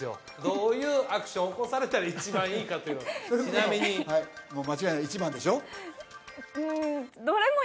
どういうアクション起こされたら一番いいかというちなみにもう間違いなく１番でしょ？